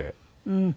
うん。